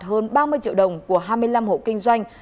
hơn ba mươi triệu đồng của hai mươi năm hộ kinh doanh